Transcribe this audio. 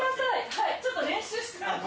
はいちょっと練習してたんで。